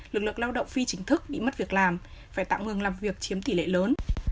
lực lượng lao động phi chính thức bị mất việc làm phải tạm ngừng làm việc chiếm tỷ lệ lớn